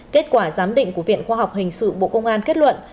kết quả giám định của viện khoa học hình sự bộ công an kết luận